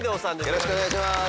よろしくお願いします。